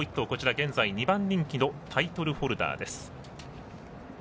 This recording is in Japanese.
現在２番人気のタイトルホルダーです。